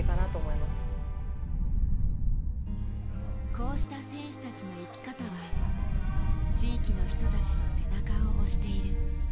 こうした選手たちの生き方は地域の人たちの背中を押している。